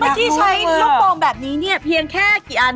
เมื่อกี๊ใช้ลูกสองแบบนี้เนี่ยเพียงแค่กี่อัน